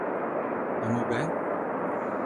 Ama ben...